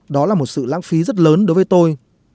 đó là một sự lãng phí rất lớn đối với tôi